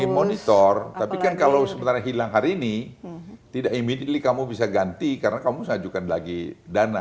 dimonitor tapi kan kalau sementara hilang hari ini tidak immitedly kamu bisa ganti karena kamu sajukan lagi dana